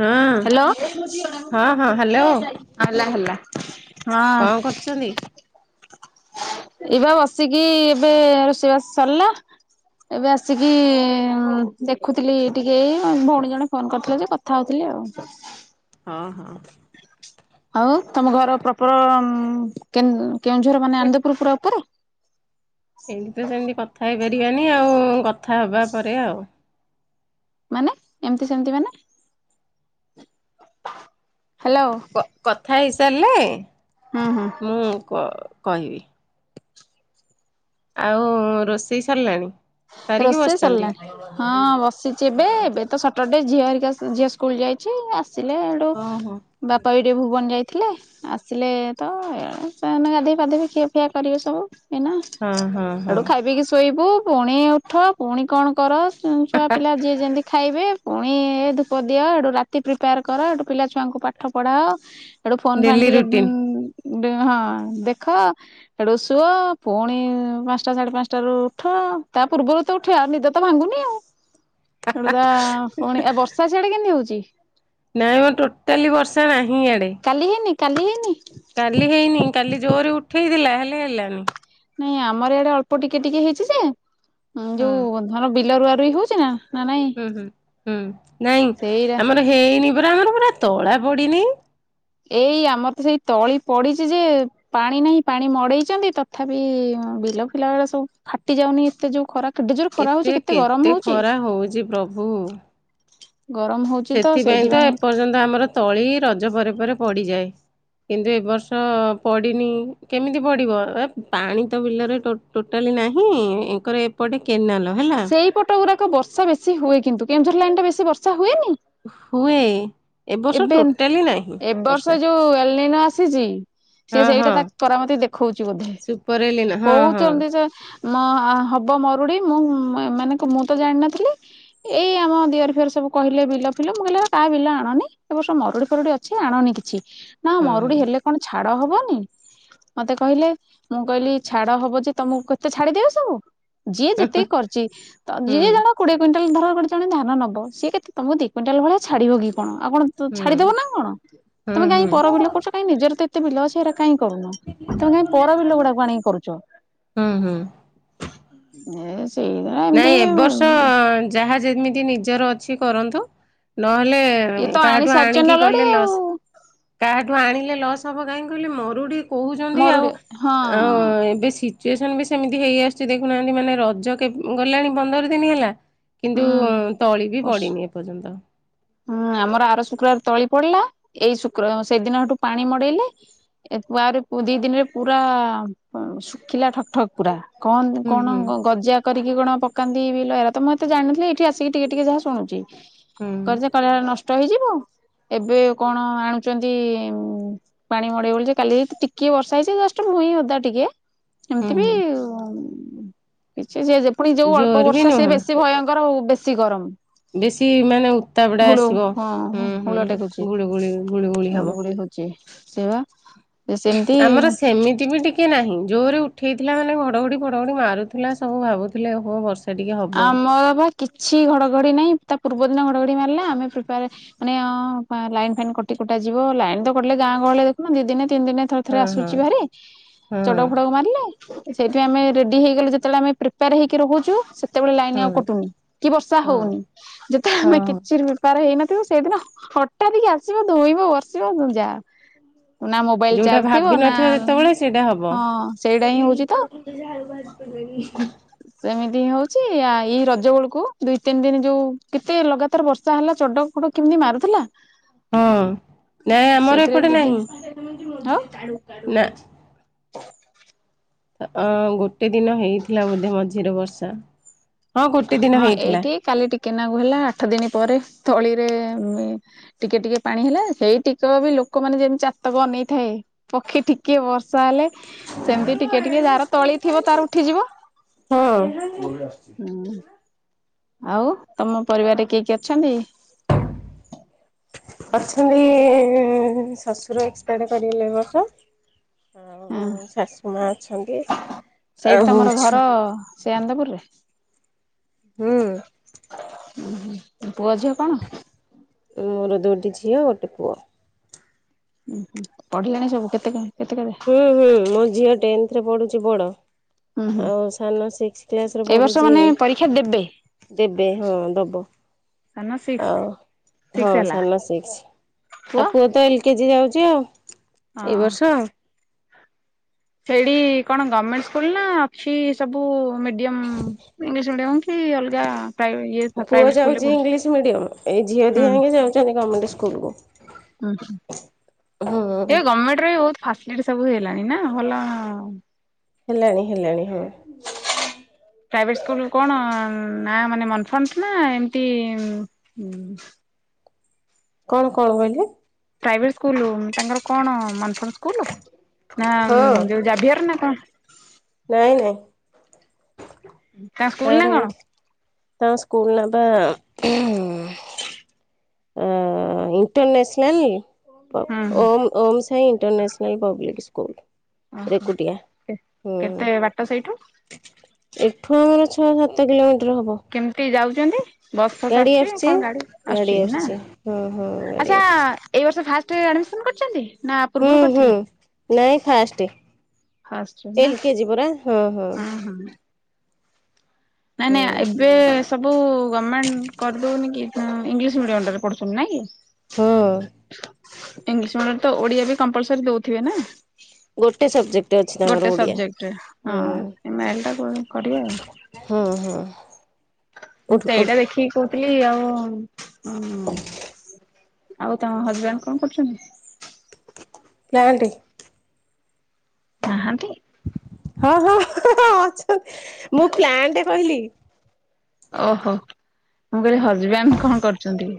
ହଁ ହାଲୋ ହଁ ହଁ ହ୍ୟାଲୋ ହେଲା ହେଲା। କଣ କରୁଛନ୍ତି? ହଁ। ଏଇବା ବସିକି ଏବେ ରୋଷେଇବାସ ସରିଲା। ଏବେ ଆସିକି ଦେଖୁଥିଲି ଟିକେ ଏଇ ଭୋଉଣୀ ଜଣେ ଫୋନ୍ କରିଥିଲ ଯେ କଥା ହୋଉଥିଲି ଆଉ। ହଁ ହଁ। ଆଉ ତମ ଘର ପ୍ରପର କେ-କେଉଁଝର ମାନେ ଆନ୍ଦପୁରୁ ପ୍ର‌ପର। ଏମତି ତ ସେମିତି କଥା ହେଇପାରିବାନି ଆଉ କଥା ହେବା ପରେ ଆଉ। ମାନେ ଏମିତି ସେମିତି ମାନେ ହାଲୋ। କଥା ହେଇସାରିଲେ। ହୁଁ ହୁଁ। ମୁଁ କ-କହିବି। ଆଉ ରୋଷେଇ ସରିଲାଣି? ସାରିକି ରୋଷେଇ ବସିଛନ୍ତି ସରିଲାଣି ହଁ ହଁ ବସିଚି ଏବେ ଏବେ ତ ସ ଟର ଡେ ଝିଅ ହୋରିକା ଝିଅ ସ୍କୁଲ ଯାଇଚି। ଆସିଲେ ହେଟୁ ଓହୋ ବାପା ବି ଟିକେ ଭୁବନ ଯାଇଥିଲେ। ଆସିଲେ ତ ଏ ଣେ ସେ ଏନା ଗାଧେଇ ପାଧୋଇବେ ଖିଆ ଫିଆ କରିବେ ସବୁ। ଏଇନା ହଁ ହଁ ହଁ ହେଇଥୁ ଖାଇ ପିଇକି ଶୋଇବୁ ପୁଣି ଉଠ ପୁଣି କଣ କର ଛୁଆପିଲା ଯିଏ ଯେମିତି ଖାଇବେ ପୁଣି ଏ ଧୂପ ଦିଅ ହେଠୁ ରାତି ପ୍ରିପେୟାର କର ହେଠୁ ପିଲା ଛୁଆଙ୍କୁ ପାଠ ପଢାଅ ହେଠୁ ଫୋନ ଫାନ୍ ଡେଲି ଟିକେ ରୁଟିନ ଉଁ ହଁ ଦେଖ ହେଠୁ ଶୁଅ ପୁଣି ପାଞ୍ଚଟା ସାଢ଼େ ପାଞ୍ଚଟାରୁ ଉଠ ତା ପୂର୍ବରୁ ତ ଉଠିଆ ଆଉ ନିଦ ତ ଭାଙ୍ଗୁନି ଆଉ ହେଠୁ ଦା ପୁଣି ଏ ବର୍ଷା ସିଆଡ଼େ କେମତି ହେଉଛି? ନାଇଁ ମ ଟୋଟାଲି ବର୍ଷା ନାହିଁ ଇଆଡେ। କାଲି ହେଇନି କାଲି ହେଇନି? କାଲି ହେଇନି କାଲି ଜୋରରେ ଉଠେଇ ଥିଲା ହେଲେ ହେଲାନି। ନାଇଁ ଆମର ଇଆଡେ ଅଳ୍ପ ଟିକେ ଟିକେ ହେଇଛି ଯେ ଉଁ ହଁ ଯୋଉ ଧର ବିଲ ରୁଆରୁଇ ହଉଛି ନା ନା ନାଇଁ ହୁଁ ହୁଁ ହୁଁ ନାଇଁ ସେଇରା ଆମର ହେଇନି ପରା ଆମର ପରା ତଳା ପଡିିନି। ଏଇ ଆମର ତ ସେଇ ତଳି ପଡିଛି ଯେ ପାଣି ନାହିଁ ପାଣି ମଡେଇଛନ୍ତି ତଥାପି ଉଁ ବିଲ ଫିଲା ଆଡ଼େ ସବୁ ଫାଟି ଯାଉନି ଏତେ ଯୋଉ ଖରା କେଡ଼େ ଜୋରେ ଖରା ଏତେ ହଉଛି କେତେ ଗରମ ହଉଛି ଖରା ହଉଛି ପ୍ରଭୁ। ଗରମ ହଉ ସେଥିପାଇଁ ତ ଏପର୍ଯ୍ୟନ୍ତ ଆମର ତଳି ରଜ ପରେ ପରେ ପଡିଯାଏ। କିନ୍ତୁ ଏବ ବର୍ଷ ପଡ଼ିନି କେମିତି ପଡିବ ଏ ପାଣି ତ ବିଲରେ ଟୋଟ ଟୋଟାଲି ନାହିଁ ଏଙ୍କର ଏପଟେ କେନାଲ ହେଲା ସେଇପଟ ଗୁରାକ ବର୍ଷା ବେଶୀ ହୁଏ କିନ୍ତୁ କେଉଁଝର ଲାଇନ୍ ଟା ବେଶୀ ବର୍ଷା ହୁଏନି? ହୁଏ ଏ ବର୍ଷ ଏବେ ଟୋଟାଲି ନାହିଁ ଏବ ବର୍ଷ ବର୍ଷା ଯୋଉ ଏଲ ନିନୋ ଆସିଛି ସେ ହଁ ହଁ। ସେଇଟା ତା କରାମତି ଦେଖଉଛି ବୋଧେ ସୁପରଏଲିନା ହଁ ହଁ କହୁଛନ୍ତି ଯେ ମ ଅ ହବ ମରୁଡି ମୁଁ [unintelligible] ମାନେକ ମୁଁ ତ ଜାଣିନଥିଲି ଏଇ ଆମ ଦିଅର ଫିଅର ସବୁ କହିଲେ ବିଲ ଫିଲ ମୁଁ କହିଲି କାହା ବିଲ ଆଣନି ଏ ବର୍ଷ ମରୁଡି ଫରୁଡି ଅଛି ଆଣନି କିଛି ନା ହଁ ମରୁଡି ହେଲେ କଣ ଛାଡ ହବନି? ମତେ କହିଲେ ମୁଁ କହିଲି ଛାଡ ହବ ଯେ ତମକୁ କେତେ ଛାଡିଦେବେ ସବୁ? ଯିଏ ଯେତିକି କରିଛି ହଁ ହୁଁ ଯିଏ ଜଣ କୋଡିଏ କୁଇଣ୍ଟାଲ ଧର ଗୋଟେ ଜଣେ ଧାନ ନବ ସିଏ କେତେ ତମକୁ ଦି କୁଇଣ୍ଟାଲ ଭଳିଆ ଛାଡିବ କି କଣ ଆଉ କଣ ତ ହୁଁ ଛାଡିଦ ଦେବ ନା କଣ ହୁଁ ତମେ ହୁଁ କାଇଁ ହୁଁ ପର ବିଲ କରୁଛ କାଇଁ ନିଜର ତ ଏତ ଏତେ ବିଲ ଅଛି ହେରା କାଇଁ କରୁନ, ତମେ କାଇଁ ପର ବିଲ ଗୁଡାକୁ ଆଣିକି କରୁଛ? ହୁଁ ହୁଁ। ଏ ସେଇ ଏମିତି ନାଇଁ ଏବର୍ଷ ଯାହା ଯେମିତି ନିଜର ଅଛି କରନ୍ତୁ, ନହେଲେ ଇଏ ହୁଁ ତ ଆଣି କାହାଠୁ ସାରିଛନ୍ତି ଆଣିକି ଅଲରେଡି କଲେ ଆଉ। ଲସ୍ କାହାଠୁ ଆଣିଲେ ଲସ୍ ହବ କାହିଁକି କହିଲେ ମରୁଡି କହୁଛନ୍ତି ଆଉ ମରୁଡି ହଁ ଅ ଏବେ ଶିତ ଚୁଏସନ ବି ସେମିତି ହେଇ ଆସୁଛି ଦେଖୁନାହାନ୍ତି ମାନେ ରଜ କେବ ଗଲାଣି ପନ୍ଦର ଦିନି ହେଲା କିନ୍ତୁ ହୁଁ ତଳି ବି ବର୍ଷ ପଡିନି ଏପର୍ଯ୍ୟନ୍ତ। ହୁଁ ଆମର ଆର ଶୁକ୍ରବାର ତଳି ପଡିଲା ଏଇ ଶୁକ୍ର ସେଦିନଠୁ ପାଣି ମଡେଇଲେ ଏକୁ ଆଉରି ପୁ ଦି ଦିନରେ ପୁରା ଶୁଖିଲା ଠକ୍ ଠକ୍ ପୁରା କହନ୍ତି ହୁଁ କଣ ହୁଁ ଗ ଗଜା କରିକି କଣ ପକାନ୍ତି ବିଲ ହେରା ତ ମୁଁ ଏତେ ଜାଣିିନଥିଲି ଏଇଠି ଆସିକି ଟିକେ ଟିକେ ଯାହା ଶୁଣୁଛି ହୁଁ କର୍ଜ କାଳେ ହେଲେ ନଷ୍ଟ ହେଇଯିବ ଏବେ କଣ ଆଣୁଛନ୍ତି ଉଁ ପାଣି ମଡେଇ [unintelligible] ଯେ କାଲି ଟିକେ ବର୍ଷା ହେଇଛି ଜଷ୍ଟ ଭୂଇଁ ଓଦା ଟିକେ ହୁଁ ଏମିତି ବି ହୁଁ ଉଁ କିଛି ଯେ ଯେତ ପୁଣି ଯୋଉ ଅଳ୍ପ ଜୋର ବି ବର୍ଷା ସିଏ ନୁହଁ ବେଶୀ ଭୟଙ୍କର ଆଉ ବେଶୀ ଗରମ। ବେଶୀ ମାନେ ଉତ୍ତାପଟା ଗୁଳୁ ଆସିବ। ହଁ ହୁଁ ହୁଁ ହୁଳ ଟେକୁଛି ଗୁଳୁଗୁଳି ହବ। ଗୁଳୁଗୁଳି ହଉଚି ସେଇ ବା। ସେମିତି ଆମର ସେମିତି ବି ଟିକ କେ ନାହିଁ ଜୋରରେ ଉଠେଇଥିଲା ମାନେ ଘଡ଼ଘଡ଼ି ଫଡ଼ଘଡ଼ି ମାରୁଥିଲା ସବୁ ଭାବୁଥିଲେ ଓ ହୋ ବର୍ଷା ଟିକେ ହବ ଆମର ବା କିଛି ଘଡଘଡି ନାଇଁ ତା ପୂର୍ବ ଦିନ ଘଡଘଡି ମାରିଲା ଆମେ ପ୍ରିପେଆରେ ମାନେ ଅଁ ପା ଲାଇନ୍ ଫାଇନ୍ କଟି କୁଟା ଯିବ ଲାଇନ୍ ତ କଟିଲେ ଗାଁ ଗହଳିଏ ଦେଖୁନ ଦି ଦିନେ ତିନି ଦିନେ ତ ଥରେ ଥରେ ହଁ ହଁ ଆସୁଚି ଭାରି ହଁ ଚଡ଼କ ଫଡ଼କ ମାରିଲେ। ଏ ସେଇଠି ଆମେ ରେଡ଼ି ହେଇଗଲେ ଯେତୋଳେ ଆମେ ପ୍ରିପେୟାର ହେଇକି ରହୁଚୁ ସେ ତେବେଳେ ଲାଇନ୍ ଆଉ ହଁ କଟୁନି କି ବର୍ଷା ହଁ ହଉନି। ଯେତେଳେ ଆମେ ହଁ କିଛିରୁ ପାର ହେଇନଥିବୁ ସେଇଦିନ ହଠାତ୍ କି ଆସିବ ଧୋଇବ ବର୍ଷିବ ଦୁ ଯା। ଉ ନା ମୋବାଇଲ୍ ଯୋଉଟା ଚାର୍ଜ ଥିବ ଭାବି ନାଁ ନଥିବ ଯେତେବେଳେ ହଁ ସେଇଟା ହିଁ ହଉଚି ତ। ମତେ ଯାହା ହେଲେ ଭାରିପଡ଼ିବେନି। ସେମିତି ହଉ ଚି ଆ ଏଇ ରଜ ଅଳୁକୁ ଦୁଇ ତିନ୍ ଦିନ୍ ଯୋଉ କେତେ ଲଗାତାର ବର୍ଷା ହେଲା ଚଡ଼ଉ ଫଡ଼ଉ କେମିତି ମାରୁଥୁଲା? ହଁ ନାଇଁ ଆମର ସେଇଥିରେ ଏପଟେ ଦି ନାହିଁ। ଦିନ ହଁ ନାଁ। ଅ ଗୋଟେ ଦିନ ହେଇଥିଲା ବୋଧେ ମଝିରେ ବର୍ଷା। ହଁ ଗୋଟେ ଦିନ ହଁ ହେଇଥିଲା ଏଇଠି କାଲି ଟିକେନାକୁ ହେଲା ଆଠ ଦିନ ପରେ ତଳିରେ ମେ ଟିକେ ଟିକେ ପାଣି ହେଲା ସେଇ ଟିକେ ବି ଲୋକମାନେ ଯେମତି ଚାତକ ଅନେଇଥାଏ। ପକ୍ଷୀ ଟିକେ ବର୍ଷା ହେଲେ ସେମିତି ଟିକେ ଟିକେ ଯାର ତଳି ଥିବ ତାର ଉଠିଯିବ। ହଁ। ହୁଁ। ଆଉ ତମ ପରିବରେ କିଏ କିଏ ଅଛନ୍ତି? ଅଛନ୍ତି ଶଶୁର ଏକ୍ସପାର୍ଡ କରିଗଲେ ଏ ବର୍ଷ। ଆଉ ହଁ ଶାଶୁ ମା ଅଛନ୍ତି ସେଇଠି ଆଉ ତମର ଘର ଅଛୁ। ସେ ଆନ୍ଦପୁରରେ? ହୁଁ। ଉଁ ହୁଁ ଏ ପୁଅ ଝିଅ କଣ? ମୋର ଦୁଇଟି ଝିଅ ଗୋଟେ ପୁଅ। ଉୁଁ ହୁଁ ପଢ଼ିଲେଣି ସବୁ କେତେ କେ କେତେ କେବେ? ହୁଁ ହୁଁ ମୋ ଝିଅ ଟେନ୍ଥରେ ପଢ଼ୁଚି ବଡ଼। ହୁଁ ହୁଁ ଆଉ ସାନ ସିକ୍ସ୍ କ୍ଲାସ୍ ରେ ଏଇ ବର୍ଷ ପଢ଼ୁଚି। ମାନେ ପରୀକ୍ଷା ଦେବେ ଦିବେ ହଁ ଦବ। ସାନ ସିକ୍ସ ଆଉ ହଁ ସିକ୍ସ ହେଲା ସାନ ସିକ୍ସ୍ ଆ ପୁଅ ତ ଏଲ୍ କେ ଜି ଯାଉଚି ଆଉ ଏଇ ହଁ ବର୍ଷ। ହେଇଡ଼ି କଣ ଗଭମେଟ୍ ସ୍କୁଲ୍ ନାଁ ଅଛି ସବୁ ମିଡ଼ିୟମ୍ ଇଂଲିଶ୍ ମିଡ଼ିୟମ୍? ଇ ଅଲଗା ପ୍ରାଇ ଇଏ। ପୁଅ ପ୍ରାଇଭେଟ ସ୍କୁଲରେ ଯାଉଚି ପଢୁଛୁ? ଇଂଲିଶ୍ ମିଡି଼ୟମ୍ ଏଇ ଝିଅ ଧିଆଙ୍କେ ଯାଉଚନ୍ତି ଗମେଟ୍ ସ୍କୁଲ୍ କୁ। ଉଁ ହୁଁ। ଏ ହଁ ଗମେଟ୍ ର ବି ଭୋଉତ୍ ଫାସଲିଟି ସବୁ ହେଇଲାଣି ନାଁ ଭଲ ହେଲାଣି ହେଲାଣି ହଁ। ପ୍ରାଇଭେଟ୍ ସ୍କୁଲ୍ କଣ ନାଁ ମାନେ ମନଫ୍ରଣ୍ଟ୍ ନାଁ ଏମତି ଉଁ କଣ କଣ କହିଲେ? ପ୍ରାଇଭେଟ୍ ସ୍କୁଲ୍ ତାଙ୍କର କଣ ମନଫର୍ ସ୍କୁଲ୍ ନାଁ ହଁ ଯୋଉ ଜାଭିୟର୍ ନାଁ କଣ? ନାଇଁ ନାଇଁ। ତାଙ୍କ ସ୍କୁଲ ନା ତାର କଣ? ଇଙ୍ଗ୍ ତା ସ୍କୁଲ୍ ନାଁ ପା ଉଁ ଅ ଇଣ୍ଟରନେସନାଲ୍ ଓ ହୁଁ ହୁଁ ଓମ୍ ଓମ୍ ଶାଇ ଇଣ୍ଟରନେସନାଲ୍ ପବ୍ଲିକ୍ ସ୍କୁଲ୍। ଓହ ରେକୁଟିଆ। କେ ହୁଁ କେତେ ବାଟ ସେଇଠୁ? ଏଠୁ ଆମର ଛଅ ସାତ କିଲୋମିଟର୍ ହବ। କେମତି ଯାଉଚନ୍ତି? ବସ୍ ଫସ୍ ଗାଡି ଆସୁଚି ଆସୁଛି। କଣ ଗାଡ଼ି ଗାଡି ଆସୁଚି ନାଁ ଆସୁଛି ହଁ ହଁ ଗାଡି ଆଚ୍ଛା ଆସୁଛି ଏ ବର୍ଷ ଫାଷ୍ଟେ ଆଡ଼ିମିସନ୍ କରିଚନ୍ତି? ହୁଁ ହୁଁ ନାଇଁ ଫାଷ୍ଟେ ଫାଷ୍ଟ ନା ଏଲ୍ କେ ଜି ପରା ହଁ ହଁ। ନାଇଁ ହଁ ନାଇଁ ଆ ଏବେ ସବୁ ଗମେଣ୍ଟ କରିଦୋଉନି କି ହୁଁ ଇଂଲିଶ୍ ମିଡି଼ୟମ୍ ଟାରେ ପଢୁଚନ୍ତି ନାଁ କି? ହଁ ଇଂଲିଶରେ ଓଡିଆ ବି କମ୍ପୂଲ୍ସରୀ ଦଉଥିବେ ନା ଗୋଟେ ସବଜେକ୍ଟ ଅଛି [inaudible] ତାଙ୍କର ଗୋଟେ ଓଡିଆ ସବଜେକ୍ଟରେ ହଁ ହୁଁ ଏ ମ ଆଇ ଏଲ୍ ଟା କ କରିବେ ଆଉ ହ ହ ମୁ ସେଇଟା ଦେଖିକି କହୁଥିଲି ଆଉ ଉ ଆଉ ତମ ହଜବେଣ୍ଡ କଣ କରୁଛନ୍ତି? ପ୍ଲାଣ୍ଟ ନାହାନ୍ତି। ହଁ ହଁ ଅଛନ୍ତି ମୁଁ ପ୍ଲାଣ୍ଟ କହିଲି ଓହୋ ମୁଁ କହିଲି ହଜବେଣ୍ଡ କଣ କରୁଚନ୍ତି।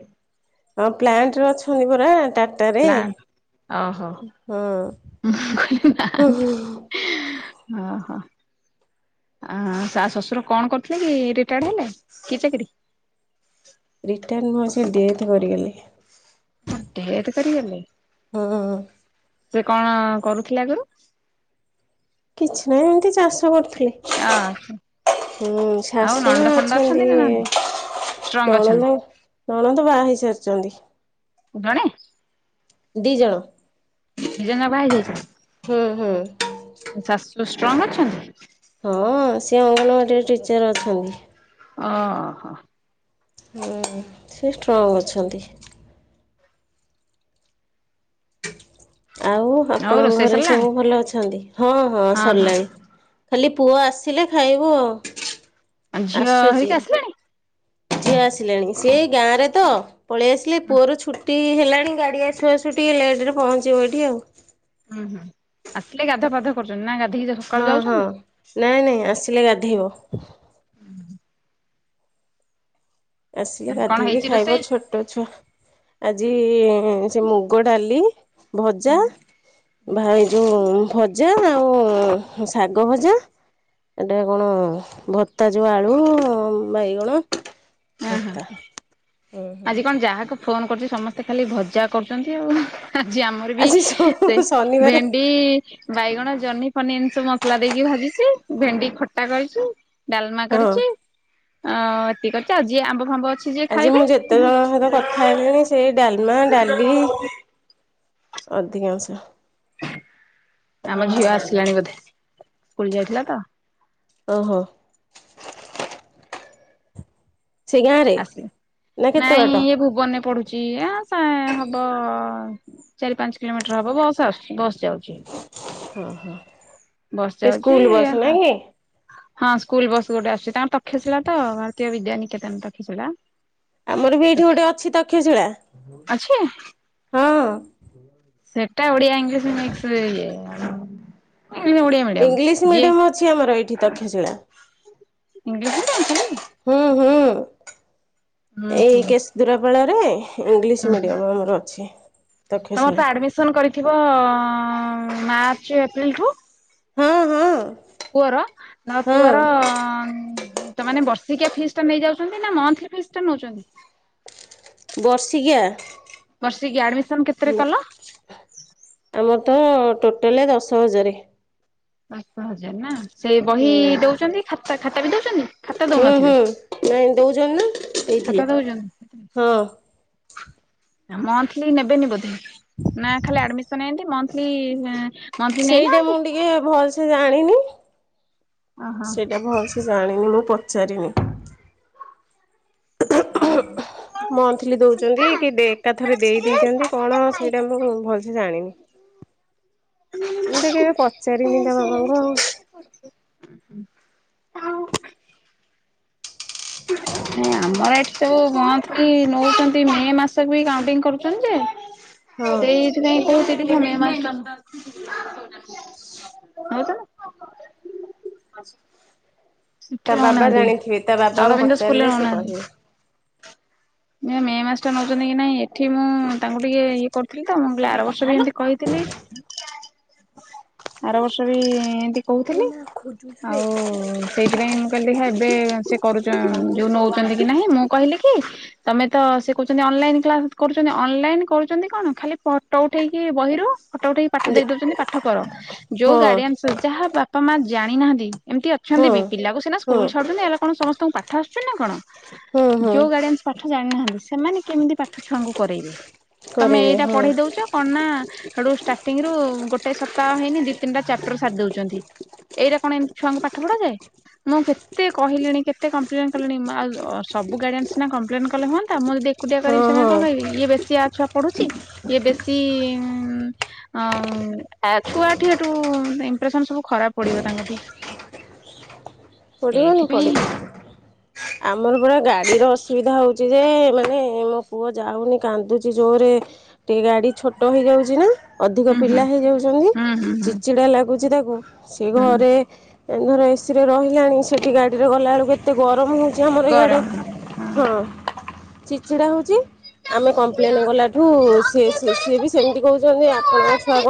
ହଁ ପ୍ଲାଣ୍ଟ ରେ ଅଛନ୍ତି ପରା ତା ଟା ରେ ପ୍ଲାନ୍ ଓହୋ ହୁଁ ହୁ ହୁ ଓଁ ହୋ ଆ ସା ଶ୍ୱଶୁର କଣ କରୁଥିଲେ କି ରିଟାଡ୍ ହେଲେ କି ଚାକିରି? ରିଟାଡ୍ ନୁହ ସେ ଡେଥ କରିଗଲେ। ଓ ଡେଥ କରିଗଲେ ହଁ ସେ କଣ କରୁଥିଲା ଆଗରୁ? କିଛି ନାହିଁ ଏମତି ଚାଷ କରୁଥିଲେ। ଅ [unintelligible] ହୁଁ ଆଉ ଶାଶୁ ଅଛନ୍ତି। ଷ୍ଟ୍ରଙ୍ଗ୍ ଅଛନ୍ତି। ନଣନ୍ଦ ନଣନ୍ଦ ବାହା ହେଇସାରିଛନ୍ତି। ଜଣେ ଦି ଜଣ ନିଜା ଜଙ୍କ ହେଇ ଯାଇଛନ୍ତି। ଥିଏ ହୁଁ ତୋ ଶାଶୁ ଷ୍ଟ୍ରଙ୍ଗ ଅଛନ୍ତି। ହଁ ସିଏ ଅଙ୍ଗନବାଡିରେ ଟିଚର ଅଛନ୍ତି। ଓ ହୋ ହୁ ସେ ଷ୍ଟ୍ରଙ୍ଗ ଅଛନ୍ତି। ଆଉ ଆଉ ଆପଣଙ୍କ ରୋଷେଇ ଘରେ ସରିଲାଣି ସବୁ ଭଲ ଅଛନ୍ତି ହଁ ହଁ ସଲାଣି ଖାଲି ପୁଅ ଆସିଲେ ଖାଇବୁ ଆଉ ଆଉ ଝିଅ ଆସୁଛି। ହେରିକି ଆସିଲାଣି ଝିଅ ଆସିଲେଣି ସେଇ ଗାଁରେ ତ ପଳେଇ ଆସିଲେ ପୁଅର ଛୁଟି ଟି ହେଲାଣି ଗାଡ଼ି ଆସୁ ଆସୁ ଟିକେ ଲେଟେ ରେ ପହଞ୍ଚିବ ଏଇଠି ଆଉ ଉୁଁ ହୁଁ ଆସିଲେ ଗାଧ ଫାଧ କରୁଛନ୍ତି ନା ଗାଧୋଇକି ସ ସକାଳୁ ହଁ ହଁ ଯାଉଛନ୍ତି। ନାଇଁ ନାଇଁ ଆସିଲେ ଗାଧୋଇବ ଆସିଲେ କଣ ଗାଧୋଇକି ହେଇଛି ଖାଇବ ରୋଷେଇ? ଛୋ ଟ ଛୁଆ ଆଜି ସେ ମୁଗ ଡାଲି ଭଜା ଭାଇ ଏଇ ଯୋଉ ଭ ଜା ଆଉ ଶାଗ ଭଜା ଏଟା କଣ ଭତ୍ତା ଯଉ ଆଳୁ ବାଇଗଣ ଓ ହ ଭର୍ତ୍ତା ହୁଁ ହୁଁ ଆଜି କଣ ଯାହାକୁ ଫୋନ କରୁଛି ସମସ୍ତେ ଖାଲି ଭଜା କରୁଛନ୍ତି ଆଉ ଆଜି ଆମର ବି ଆଜି ସେ ସବୁ ଭେ ଶନିବାରେ ଣ୍ଡି ବାଇଗଣ ଜହ୍ନି ପନିର ସବୁ ମସଲା ଦେଇକି ଭାଜିଛି ଭେଣ୍ଡି ଖଟା କରିଛି ଡାଲମା ହଁ କରିଛି ଅ ଏତିି କରିଛି ଆଉ ଯିଏ ଆମ୍ବ ଫାମ୍ବ ଅଛି ଯିଏ ଆଜି ମୁଁ ଖାଇବେ ଯେତେ ଜଣଙ୍କ ସହିତ କଥା ହେଲିଣି ସେ ଡାଲମା ଡାଲି ଅଧିକାଂଶ ଆମ ଝିଅ ଆସିଲାଣି ବୋଧେ ସ୍କୁଲ ଯାଇଥିଲା ତ ଓହୋ ସେ ଗାଁରେ ଆସିଲେ ନା କେତେ ନାଇଁ ବାଟ ଏ ଭୁବନରେ ପଢୁଛି ଆ ଚାଁ ହବ ଚାରି ପାଞ୍ଚ କିଲୋମିଟର ହବ ବସ୍ ଆଶୁଚି ବସ୍ ଯାଉଛି। ଓହୋ ବସ୍ ସେ ଯାଉଛି ସ୍କୁଲ ବସନା କି? ହଁ ସ୍କୁଲ ବସ୍ ଗୋଟେ ଆସୁଛି ତଙ୍କ ତକ୍ଷ୍ୟଶିଳା ତ ଭାରତୀୟ ବିଦ୍ୟାନିକେତନ ତକ୍ଷ୍ୟଶୀଳା। ଆମର ବି ଏଇଠି ଗୋଟେ ଅଛି ତକ୍ଷଶିଳା ଅଛି ହଁ। ସେଟା ଓଡିଆ ଇଂଲିଶ ମିକ୍ସ ରେ ଇଏ ମାନେ ଓଡ଼ିଆ ମିଡି ଇଂଲିଶ ମିଡିୟମ ଅଛି ଆମର ଏଇଠି ତକ୍ଷଶିଳା। ଇଂଲିଶ ମିଡିୟମ ଖାଲି ହୁଁ ହୁଁ। ଏଇ ହୁଁ କେଶଦୂରାପାଳରେ ଇଂଲିଶ ମିଡିୟମ ଆମର ଅଛି। ତମର ତକ୍ଷଶିଳା ତ ଆଡମିସନ କରିଥିବ ମାର୍ଚ୍ଚ ଏପ୍ରିଲ ଠୁ? ହଁ ହଁ। ପୁଅର ମୋ ହଁ ପୁଅର ତା ମାନେ ବର୍ଷିକିଆ ଫିସ୍ ଟା ନେଇଯାଉଛନ୍ତି ନା ମନ୍ଥଲି ଫିସ୍ ଟା ନଉଛନ୍ତି। ବର୍ଷକିଆ। ବର୍ଷିକି ଆଡମିସନ କେତେରେ କଲ ଆମର ତ ଟୋଟାଲେ ଦଶ ହଜାର। ଦଶ ହଜାର ନା ସେ ବହି ହୁଁ ଦଉଛନ୍ତି ଖାତା ଖାତା ବି ଦଉଛନ୍ତି। ଖାତା ହୁଁ ହୁଁ ଦଉନଥିବେ ନାଇଁ ଦଉଛନ୍ତି ନା। ଦେଇଥିଲେ ଖାତା ଦଉଛନ୍ତି ହଁ ଆଉ ମନ୍ଥଲି ନେବେନି ବୋଧେ? ନା ଖାଲି ଆଡମିସନ ଏନ୍ତି ମନ୍ଥଲୀ ସେଇଟା ମୁଁ ଟିକେ ଭଲ ସେ ଜାଣିନି ଓହୋ। ସେଇଟା ଭଲସ ସେ ଜାଣିନି ମୁଁ ପଚାରିନି। ମନ୍ଥଲି ଦଉଛନ୍ତି କି ଡେଟ୍ ଟା ଥରେ ଦେଇ ଦେଇଛନ୍ତି କଣ ସେଇଟା ମୁଁ ଭଲସେ ଜାଣିନି। ମୁଁ ତ କେବେ ପଚାରିନି ତା ବାବାଙ୍କୁ ଆଉ। [inaudible] [inaudible] ନାଇଁ ଆମର ଏଠି ତ ମନ୍ଥଲି ନଉଛନ୍ତି ମେ ମାସକୁ ବି କାଉଣ୍ଟିଂ କରୁଛନ୍ତି ଯେ ହଁ ସେଇଥିପାଇଁ କହୁଛି [unintelligible] ସେଠି ତା ବାବା ନଉନାହାନ୍ତି। ଜାଣିଥିବେ ତା ବାବାଙ୍କୁ ଅରବିନ୍ଦ ସ୍କୁଲରେ ପଚାରିଲେ ସେ ନଉନାହାନ୍ତି କହିବେ। ଏ ମେ ମାସ ଟା ନଉଛନ୍ତି କି ନାଇଁ ଏଠି ମୁଁ ତାଙ୍କୁ ଟିକେ ଇଏ କରୁଥିଲି ତ ଆର ବର୍ଷ ବି ଏମତି କହିଥିଲି ଆର ବର୍ଷ ବି ଏମତି କହୁଥିଲି ଆଉ ସେଇଥିପାଇଁ ମୁଁ କହିଲି ଦେଖା ଏବେ ସେ କରୁ ଚ ଯୋଉ ନଉଛନ୍ତି କି ନାହିଁ ମୁଁ କହିଲି କି ତମେ ତ ସେ କହୁଛନ୍ତି ଅନଲାଇନ କ୍ଲାସ କରୁଛନ୍ତି ଅନଲାଇନ କରୁଛନ୍ତି କଣ ଖାଲି ଫଟୋ ଉଠେଇକି ବହିରୁ ଫଟୋ ଉଠେଇକି ପାଠ ଦେ ଦେଇ ଦଉଛନ୍ତି ପାଠ କର ଯୋଉ ହଁ ଗାର୍ଡିଆନ୍ସ ଯାହା ବାପା ମା ଜାଣିନାହାନ୍ତି ଏମିତି ଅଛନ୍ତି ହଁ ବି ପିଲାକୁ ସିନା ହଁ ସ୍କୁଲ ଛଡୁଛନ୍ତି ହେଲେ କଣ ସମସ୍ତଙ୍କୁ ପାଠ ଆସୁଛି ନା କଣ ହଁ ହଁ ଯୋଉ ଗଡ଼ିଆନ ପାଠ ଜାଣିନାହାନ୍ତି ସେମାନେ କେମିତି ପାଠ ଛୁଆଙ୍କୁ କରେଇବେ ତମେ କରେଇବେ ଏଇଟା ହଁ ପଢ଼େଇ ଦଉଛ। କନା ହେଟୁ ଷ୍ଟାର୍ଟିଂ ରୁ ଗୋଟେ ସପ୍ତାହ ହେଇନି ଦି ତିନିଟା ଚାପଟର ସାରି ଦଉଛନ୍ତି। ଏଇଟା କଣ ଏମତି ଛୁଆଙ୍କୁ ପାଠ ପଢ଼ାଯାଏ। ମୁଁ କେତେ କହିଲିଣି କେତେ କମ୍ପ୍ଲେନ କଲିଣି ଆଉ ସବୁ ଗାଇଡିଆନ୍ସ ସିନା କମ୍ ପ୍ଲେନ୍ କଲେ ହୁଅନ୍ତା ମୁଁ ଯଦି ଏକୁଟିଆ ହଁ କରିବି ସେମାନେ କଣ ହଁ କହିବେ ଇଏ ବେଶିଆଛୁଆ। ପଢୁଛି ଇଏ ବେଶୀ ଅ ଆ ଛୁଆଠି ଏଠୁ ଇପ୍ରେସନ ସବୁ ଖରାପ ପଡ଼ିବ ତାଙ୍କଠି। [inaudible] ପଡ଼ିବନି ସେଇଥିପାଇଁ ପଡ଼ିବ। ଆମର ପୁରା ଗାଡ଼ିର ଅସୁବିଧା ହଉଛି ଯେ ମାନେ ମୋ ପୁଅ ଯାଉନି କାନ୍ଦୁଚି ଜୋରେ। ଟିକେ ଗାଡ଼ି ଛୋଟ ହେଇଯାଉଛି ନା। ଅଧିକ ହୁଁ ହୁଁ ପିଲା ହେଇଯାଉଛନ୍ତି ହୁଁ ହୁଁ ହୁଁ ଚିଡ଼ ଚିଡ଼ା ଲାଗୁଛି ତାକୁ ସେ ହୁଁ ଘରେ ଏ ଧର ଏସିରେ ରହିଲାଣି ସେଠି ଗାଡ଼ିରେ ଗଲାବେଳକୁ ଏତେ ଏତେ ଗରମ ହଉଛି ଆମର ଇଆଡେ ଗରମ ହଁ ହଁ ଚିଚିଡା ହଉଛି। ଆମେ କମ୍ପ୍ଲେନ କଲାଠୁ ସିଏ-ସି-ସିଏ ବି ସେମିତି କହୁଚନ୍ତି ଆପଣଙ୍କ ଛୁଆ କଣ